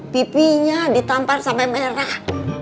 pipinya ditampar sampai merah